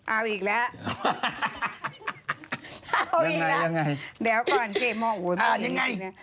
อ้าวอีกแล้วมีเรื่องยังไงอ่านยังไง